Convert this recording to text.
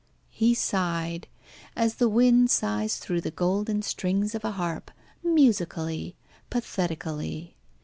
He sighed, as the wind sighs through the golden strings of a harp, musically, pathetically.